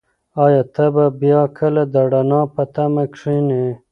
ایا ته به بیا کله د رڼا په تمه کښېنې؟